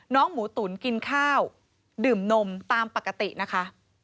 หมูตุ๋นกินข้าวดื่มนมตามปกตินะคะ